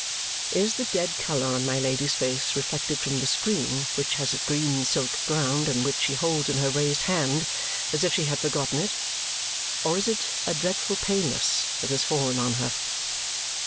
Is the dead colour on my Lady's face reflected from the screen which has a green silk ground and which she holds in her raised hand as if she had forgotten it, or is it a dreadful paleness that has fallen on her?